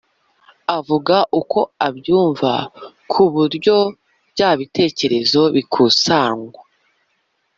avuga uko abyumva ku buryo bya bitekerezo bikusanywa